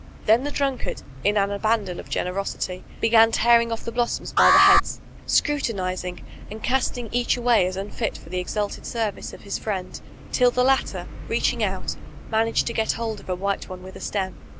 Then the drunkard, in an abandon of generosity, began tearing off the blossoms by the heads, scrutinizing, and casting each away as unfit for the «alted service of his ''friend," till the latter reaching out managed to get hold of a white one wid) a stem.